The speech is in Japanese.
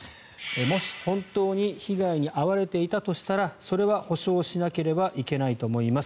もし、本当に被害に遭われていたとしたらそれは補償しなければいけないと思います。